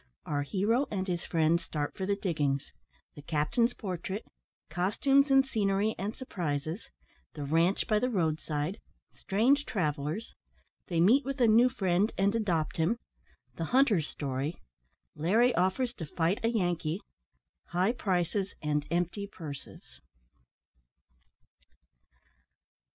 OUR HERO AND HIS FRIENDS START FOR THE DIGGINGS THE CAPTAIN'S PORTRAIT COSTUMES, AND SCENERY, AND SURPRISES THE RANCHE BY THE ROAD SIDE STRANGE TRAVELLERS THEY MEET WITH A NEW FRIEND, AND ADOPT HIM THE HUNTER'S STORY LARRY OFFERS TO FIGHT A YANKEE HIGH PRICES AND EMPTY PURSES.